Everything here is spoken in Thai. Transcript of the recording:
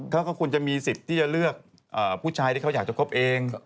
เขาก็ควรจะมีสิทธิ์ที่จะเลือกผู้ชายที่เขาอยากจะคบเอง